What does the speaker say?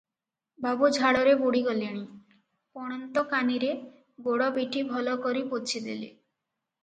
ବାବୁ ଝାଳରେ ବୁଡ଼ି ଗଲେଣି ।’ ପଣନ୍ତକାନିରେ ଗୋଡ଼ ପିଠି ଭଲ କରି ପୋଛି ଦେଲେ ।